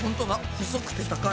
細くて高い。